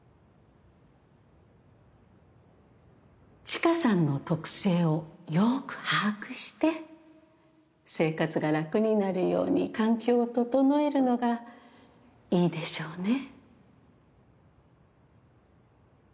知花さんの特性をよく把握して生活が楽になるように環境を整えるのがいいでしょうね